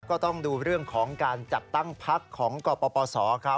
ก็ต้องดูเรื่องของการจัดตั้งพักของกปศเขา